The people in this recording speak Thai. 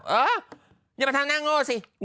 เอออย่ามาทำน่างโง่สิ